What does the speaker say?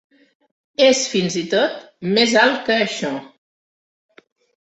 És fins i tot més alt que això.